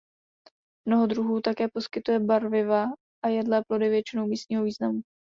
Mnoho druhů také poskytuje barviva a jedlé plody většinou místního významu.